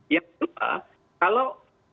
yang kedua kalau